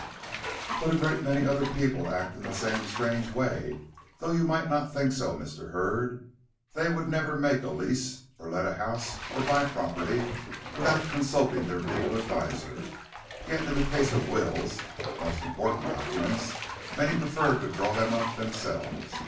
But a great many other people act in the same strange way, though you might not think so, Mr. Hurd. They would never make a lease, or let a house, or buy property, without consulting their legal adviser, yet in the case of wills (most important documents) many prefer to draw them up themselves.